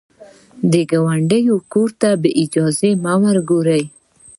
د ګاونډي کور ته بې اجازې مه ګوره